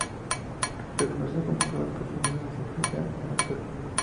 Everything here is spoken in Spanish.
Reconocido como el primer profesional de la psicología en el Perú.